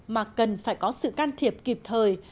mà cần phải có sự can thiệp kịp thời